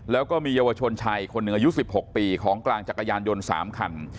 แล้วก็มีเยาวชนชายคนหนึ่งอายุ๑๖ปีของกลางจักรยานยนต์๓คัน